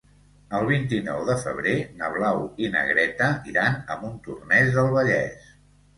El vint-i-nou de febrer na Blau i na Greta iran a Montornès del Vallès.